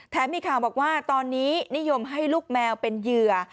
มีข่าวบอกว่าตอนนี้นิยมให้ลูกแมวเป็นเหยื่อ